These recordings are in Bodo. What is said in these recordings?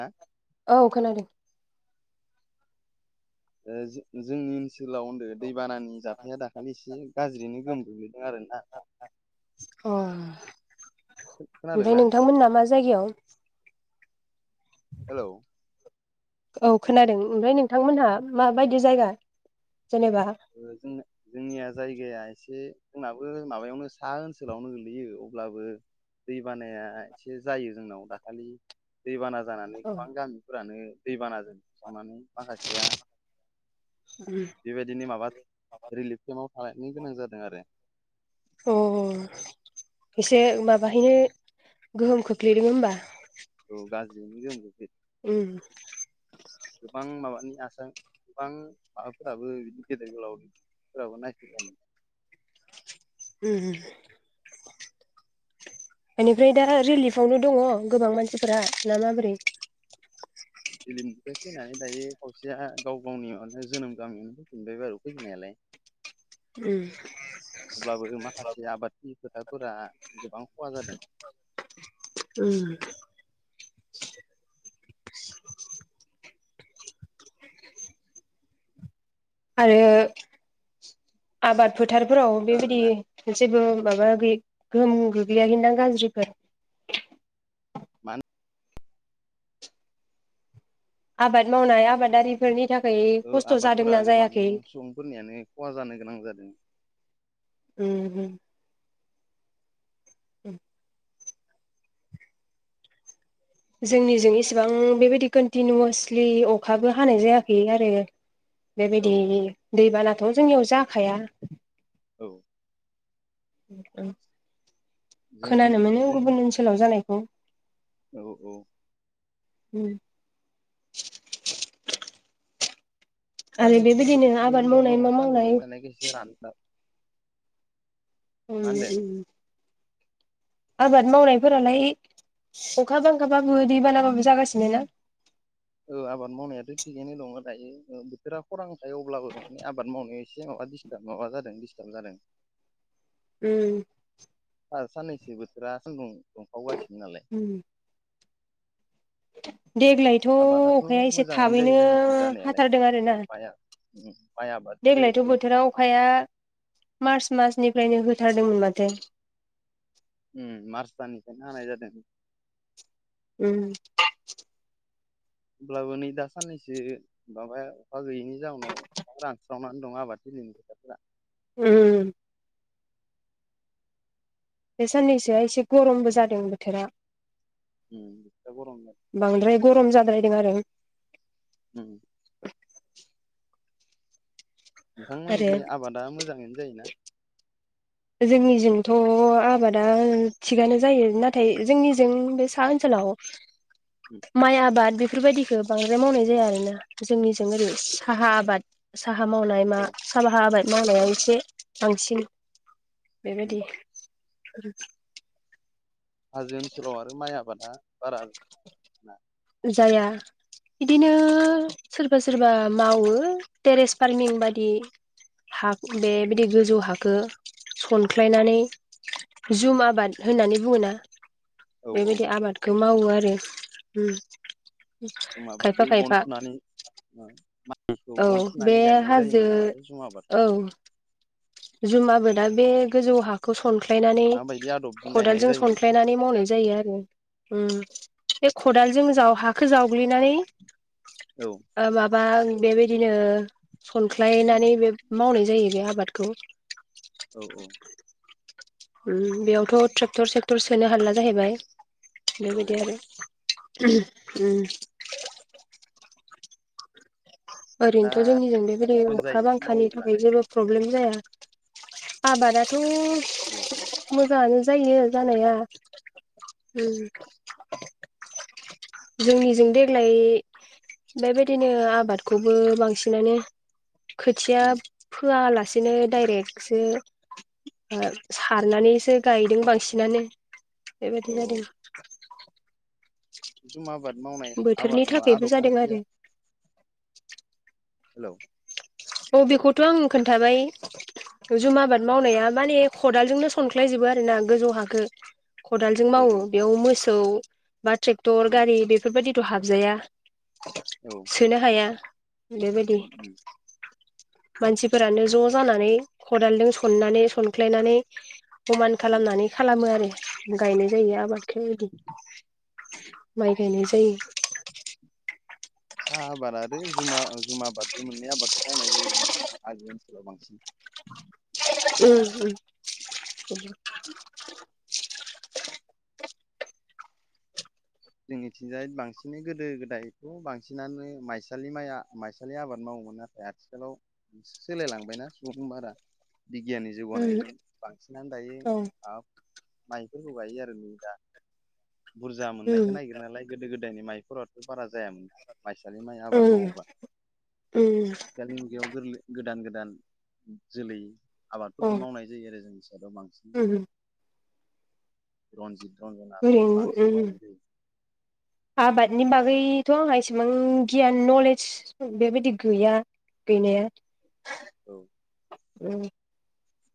ओ औ खोनादों जोंनि ओनसोल गोलाव होनदो दैबानानि अ जाथाया दाखालि एसे गाज्रिनो गोहोम गोलैदों आरोना अ ओमफ्राय खोनादोंना नोंथांमोना मा जायगायाव हेलौ औ खोनादों ओमफ्राय नोंथांमोनहा माबायदि जायगा जेनेबा जों जोंनिया जायगाया एसे जोंनाबो माबायावनो सा ओनसोलावनो गोगलैयो अब्लाबो दै बानाया एसे जायो जोंनाव दाखालि दैबाना जानानै औ गोबां गामिफोरानो दैबानाजों सनानै माखासेया बेबाय दिनो माबा रिलिफ केम्पआव थैनो गोनां जादों आरो अ एसे माबाहैनो गोहोम खोख्लैदों होमबा [unintelligible] ओम गोबां माबानि गोबां माबाफोराबो बिदिनो गेदेर गोलावफोराबो नायफैजानो ओम ओम बेनिफ्राय दा रिलिफावनो दंङ' गोबां मानसिफोरा ना माबोरै रिलिमनिफ्राय फैनानै दायो खावसेया गाव गावनि जोनोम गामियावनो फैफिनबाय बारु फैफिनायालाय उम [inaudible] अब्लाबो माखासे आबादनि खोथाफोरा गोबां खहा जादों ओम आरो आबादफोर फोथारफोराव बेबायदि खोनादोंना जेबो माबा गै गोहोम गोग्लैयाखैदां गाज्रिफोर [unintelligible] आबाद मावनाय आबादारिफोरनि थाखाय खस्थ' आबादफोरा जादोंना गोबां जायाखै सुबुंफोरनियानो खहा जानो गोनां जादों ओम ओम ओम जोंनिजों इसिबां बेबायदि कन्टिनिउवासलि अखाबो हानाय जायाखै आरो औ बेबायदि दै बानथ' जोंनियाव जाखाया औ जों खोनानो मोनो गुबुन जों ओनसोलाव जानायखौ औ औ ओम साननैसो आबाद मावनाय मा मावनाय सान्दुं रानला ओम मा होनदों ओम आबाद मावनायफोरालाय अखा बांखाबाबो दै बानाबाबो जागासिनो ना औ आबाद मावनायाथ' थिगैनो दङ' दायो बोथोरा खरां थायो अब्लाबो माने आबाद मावनायाव एसे माबा दिस्टार्ब माबा जादों दिस्टार्ब जादों ओम साननैसो बोथोरा सानदुं दुंखावगासिनो नालाय देग्लायथ' आबादाथ' अखाया एसे मोजाङैनो जायो थाबैनो जोंनिथिं जानायालाय हाथारदों आरोना माइआ उम माइ आबाद देग्लायथ' लोगोसे बोथोराव अखाया मार्च मासनिफ्रायनो होथारदों नो माथो उम मार्च दाननिफ्रायनो हानाय जादों ओम होमब्लाबो नै दा साननैसो माबाया अखा गैयैनि जाउनाव गोबां रानसै नानै दं आबाद थिलिनि खोथिफोरा ओम बे साननैसोआ एसे गरमबो जादों बोथोरा ओम [unintelligible] बांद्राय गरम जाद्रायदों आरो ओम आरो नोंथांमोननि आबादा मोजाङैनो जायोना जोंनिजोंथ' आबादा थिगानो जायो नाथाय जोंनिजों बे सा ओनसोलाव। उम ला माइ आबाद बि बेफोरबायदिखौ बांद्राय मावनाय जाया आरोना जोंनिजों ओरै साहा आबाद। साहा मावनाय मा औ साह बाहा आबाद मावनाया एसे बांसिन। उम बेबायदि। हाजो ओनसोलाव आरो माइ आबादा बारा। जाया। बिदिनो सोरबा सोरबा मावो टेरेस फार्मिं बायदि। हा उम बेबायदि गोजौ हाखौ सनख्लायनानै उम जुम आबाद होननानै बुङोना औ औ बेबायदि आबादखौ मावो आरो। जुम आबाद खायफा खायफा। खौ औ बे गनथुनानै गायनाय हाजो जायोमोन नामाथाय जुम आबादखौ। जुमा आबादा बे गोजौ हाखौ स सनख्लायनानै माबायदि आदबजों गायनाय खदालजों जायोमोनथाय सनख्लायनानै मावनाय जायो आरो। बे खदालजों जा हाखौ जावग्लिनानै। औ ओ माबा बेबायदिनो सनख्लायनानै बेखौ मावनाय। जायो बे आबादखौ। औ औ। बेयावथ' ट्रेक्टर सेक्टर सोनो हाला जाहैबाय औ बेबायदि औ आरो। उ उ। दा ओरैनोथ' जोंनिजों बायदि मोजां अखा जायो बांखानि मावोब्ला थाखाय जेबो प्रब्लेम। जाया आबादाथ'। औ औ। मोजाङानो जायो जानाया जोंनिजों देग्लाय बेबायदिनो आबाद। खौबो बांसिनानो खोथिया फोआलासे लासिनो डाइरेक्टसो। सारनानैसो गायदों बांसिनानो औ बेबायदिनो औ जादों। जुम आबाद मावनाय बोथोरनि थाखायबो आदब जादों खान्थिया। आरो [inaudible] हेल'। औ बेखौथ' आं खोन्थाबाय। जुम आबाद मावनाया माने खदालजोंनो सनख्लायजोबो आरोना गोजौ हाखो। खदालजों औ मावो औ बेयाव मोसौ बा ट्रेक्टर उम गारि बेफोरबायदिथ' हाबजाया। औ सोनो हाया बेबायदि। उम उम मानसिफोरानो ज' जानानै खदालजों सननानै सनख्लायनानै। समान उम खालामनानै खालामो आरो गायनाय जायो आबादखौ बिदि। माइ गायनाय जायो। साहा आबाद आरो जुमा जुमा आबाद बे मोननै आबादखौ मावनाय जायो हाजो ओनसोलाव बांसिन। [inaudible] उ। [inaudible] जोंनि थिंजाय बांसिनै गोदो गोदायथ' बांसिनानो माइसालि माइ माइसालि आबाद मावो। नाथाय आथिखालाव सोलायलांबायना सुबुं बारा। बिगियाननि उम जौगानायजों बांसिनानो दायो उम औ मा माइफोरखौ गायो आरो नै दा बुरजा उम मोननायखौ नागिरो नालाय गोदो गोदाय। गोदायनि माइफोराथ' बारा जायामोना माइसालि माइ आबाद उम मावोबा उम आथिखालनि मुगायाव गोरलै गोदान गोदान। गोदान जोलै औ आबादफोरखौ मावनाय जायो आरो जोंनि साइडाव बांसिन। उम रन्जित निरन्जना ओरैनो बांसिन उम मावनाय जायो। आबादनि बागैथ' आंहा इसेबां गियान नलेज बेबायदि गैया बिनि औ उ।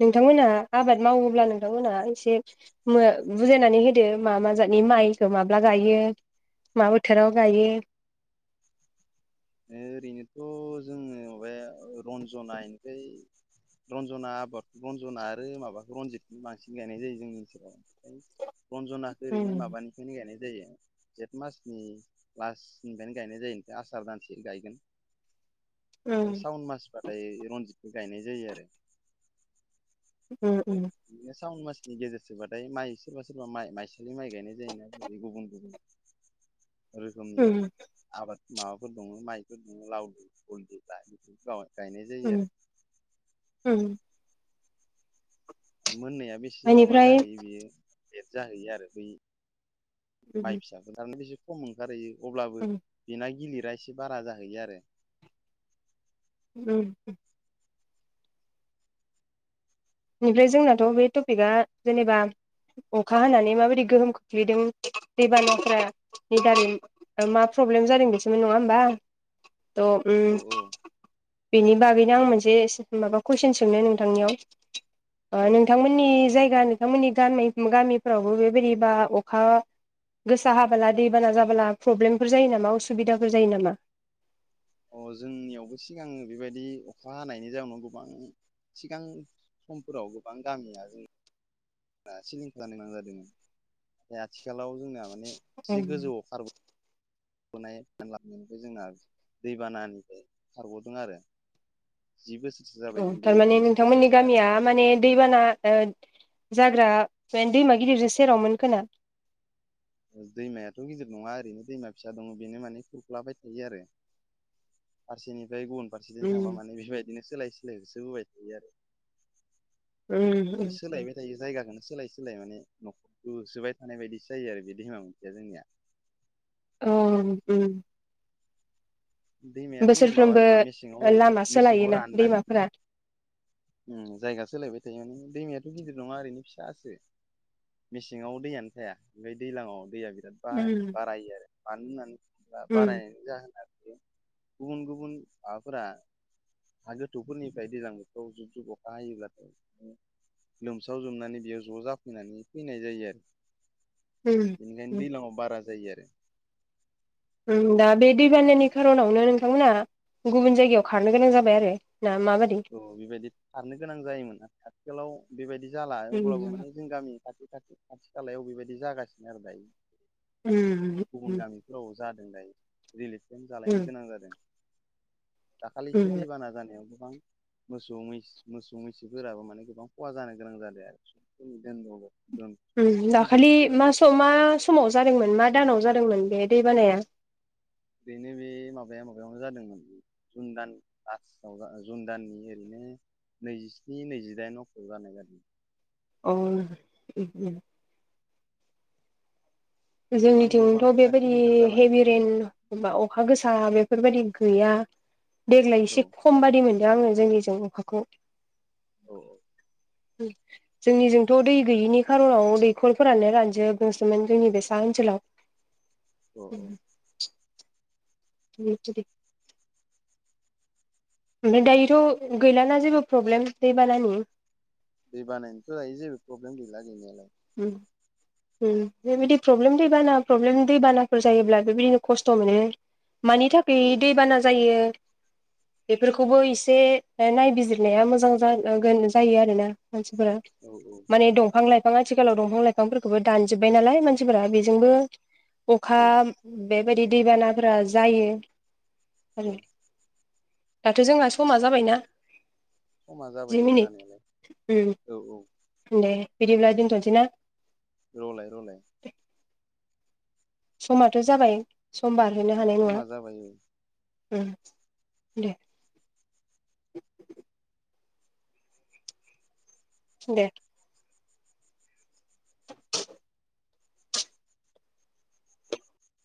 नोंथांमोनहा आबाद मावोब्ला नोंथांमोनहा एसे बुजायनानै होदो मा मा जायो। ानि माइखौ माब्ला गायो मा बोथोराव गायो? ओरैनोथ' जोङो माबाया रन्जनानिफ्राय रन्जना आबादखौ रन्जना आरो माबाखौ रन्जितखौ बांसिन गायनाय जायो जोंनि ओसोलाव रन्जनाखौो ओरैनो उम माबानिफ्रायनो गायनायसै म गनाय ज आस एसे गायगोन ओम उम सावन मास हबाथाय रनजितखौ गायनाय जायो आरो उम उम बिनो साव म नि गेजेरसबाथाय माइ सोरबा सोरबा माइ माइसालि माइ गायनाय जायोनाै गुबुन गुबुन। रोखोमनिया उम आबाद माबाफोर दङ माइफोर दङ लावदु हलद जा बे गाव गायनाय जायो उम आरो। उम मोननाया बेसे माबा बेनिफ्राय जाहैयो बियो लेट जाहैयो आरो बै उम माइ फिसाफोर थारान बेसे खम ओंखारहैयो अब्लाबो उम बेना गिलिर फ्राय एसे बारा जाहैयो आरो। उ। ओमफ्राय जोंनाथ' बे टपिकआ जेनेबा अखा हानानै माबायदि गोहोम खोख्लैदों दैबानाफानि दारै मा प्रब्लेम जादों बेसमोन नङा होनोमबा? [inaudible] द' औ औ बेनि बागैनो आं मोनसे माबा कुइसन सोंनो नोंथांनियाव? औ नोंथांमोननि जायगा ा नोंथांमोननि ग गामिफ्रावबो बेबायदिबा अखा गोसा हाबोला दैबाना जाबोला प्रब्लेमफोर जायो नामा उसुबिदाफोर जायो नामा? अ जोंनियावबो सिगाङो बेबायदि अखा हानायनि जाउनाव गोबां सिगां समफोराव गोबां गामिया जों सिलिंखार जानो गोनां जादोंमोन बे आथिखालाव जोंना माने एसे उम गोजौआव खारबो नाय फान लांनायनिफ्राय जोंहा दैबानानिफ्राय खारग'दों आरो। जि बोसोरसो औ जाबाय जों दै दों थारमाने नोंथांमोननि जायो गामिया माने दैबाना जाग्रा म दैमा गिदिरजों सेरावमोन खोना? दैमायाथ' गिदिर नङा ओरैनो दैमा फिसा दङ बेनो माने खुरख्लाबाय थायो आरो फारसेनिफ्राय गुबुन फारसेजों थांबा उम माने बेबायदिनो सोलाय सोलाय होसो होबाय थायो आरो उम उम सोलायबाय थायो जायगाखौनो सोलाय सोलाय माने न'खर होसोबाय थानाय बायदि जायो आरो बे धेमा ओथिया जोंनिया अ दैमायाथ' माबा नङा मेसेङाव ओरैनो लामा मेसेङाव सोलायोना राननानै दैमाफोरा जायगा सोलायबाय थायो माने दैमायाथ' गिदिर नङा ओरैनो फिसासो मेसेङाव दैयानो थाया ओमफ्राय दैज्लाङाव दैया बिराद ब उम बारायो आरो मानो होननानै बुङोब्ला उम बारायनायनि जाहोन आरो गुबुन गुबुन माबाफोरा हा गोथौफोरनिफ्राय दैजां औ जुदि अखा हायोब्ला लोमसाव जोबनानै बेयाव ज' जाफैनानै फैनाय जायो आरो बेनिखायनो उम दैज्लाङाव बारा जायो आरो दा बे दैबानानि खार'नावनो नोंथांमोनहा गुबुन जायगायाव खारनो गोनां जाबाय आरो ना माबादि औ बेबायदि थारनो गोनां जायोमोन आरो आथिखालाव बेबायदि जाला अब्लाबो उम माने जों गामिनि खाथि खाथि खाथि खालायाव बेबायदि जागासिनो आरो दायो। गुबुन उम गामिफोराव जादों थायो रिलेसेन जालायनो गोनां जादों दाखालिसो उम दैबाना जानायाव गोबां मोसौ मै मोसौ मैसोफोराबो माने गोबां खहा जानो गोनां जादों आरो दोनबो उम दाखालि मा सम मा समाव जादोंमोन मा दानाव जा जादोंमोन बे दै बानाया? ओरैनो बे माबाया माबायावनो जादोंमोन जुन दान लासआव जुन दाननि ओरैनो नैजिस्नि नैजिदाइन अक्ट' जानाय जादों। अ उम उम गोबां न' जोंनिथिंथ' बांफोरा बेबायदि सिलिंखार जालांनो हेभि गोनां रेन जादों अखा गोस बेफोरबायदि गैया देग्लाय औ एसे खम बादि मोन आङो जोंनिजों अखाखौ। औ औ जोंनिजोंथ' दै गैयिनि खार'नाव दैखरफोरानो रानजोबसोमोन जोंनि बेसे ओनसोलाव औ औ [unintelligible] ओमफ्राय दायोथ' गैलाना जेबो प्रब्लेम दै बानानि दै बानायनोथ' दायो जेबो प्रब्लेम गैला गैनायालाय उम उम बेबायदि प्रब्लेम दैबाना प्रब्लेम दैबानाफोर जायोब्ला बेबायदिनो खस्थ' मोनो मानि थाखाय औ दैबाना जायो? बेफोरखौबो एसे नायबिजिरनाया मोजां जा गोन जायो आरोना मानसिफोरा औ माने दंफां लाइफ बिफां आथिखालाव दंफां लाइफांफोरखौबो दानजोब्बाय नालाय मानसिफोरा बेजोंबो अखा औ बेबायदि दैबानाफोरा जायो आरो औ दाथ' जोंना समा जाबायना समा जि जाबाय औ मिनिट जानायालाय उम औ औ दे बिदिब्ला दोनथ'नोसैना? रलाय रलाय समाथ' जाबाय समबार समा जाबाय। उम दे [inaudible] दे